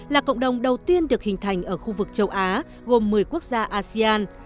là cộng đồng đầu tiên được hình thành ở khu vực châu á gồm một mươi quốc gia asean